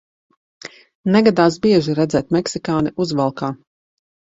Negadās bieži redzēt meksikāni uzvalkā.